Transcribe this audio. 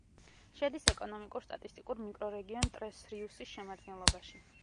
შედის ეკონომიკურ-სტატისტიკურ მიკრორეგიონ ტრეს-რიუსის შემადგენლობაში.